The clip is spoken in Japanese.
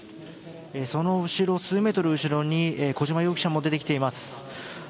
その後ろ、数メートル後ろに小島容疑者も出てきています。